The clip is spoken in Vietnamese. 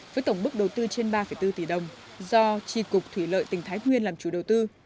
với tổng mức đầu tư trên ba bốn tỷ đồng do tri cục thủy lợi tỉnh thái nguyên làm chủ đầu tư